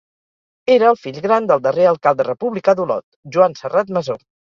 Era el fill gran del darrer alcalde republicà d'Olot, Joan Serrat Masó.